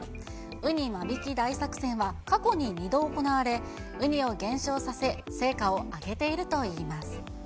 ウニ間引き大作戦は、過去に２度行われ、ウニを減少させ、成果を上げているといいます。